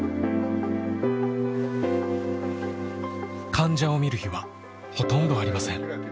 患者を診る日はほとんどありません。